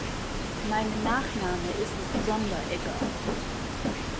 Mein Nachname ist Sonderegger.